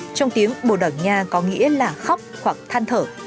sô lô trong tiếng bồ đỏ nha có nghĩa là khóc hoặc than thở